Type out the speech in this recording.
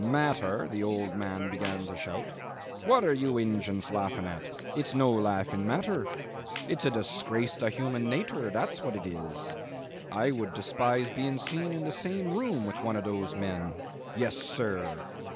matter!' the old man began to shout; 'what are you Injuns laughing at? It's no laughing matter. It's a disgrace to human natur' that's what it is. I would despise being seen in the same room with one of those men. Yes, sir!